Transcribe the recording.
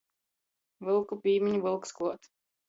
Vylku pīmiņ, vylks kluot!